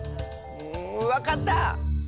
んわかった！